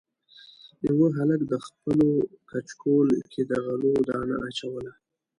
یوه هلک د خپلو کچکول کې د غلو دانه اچوله.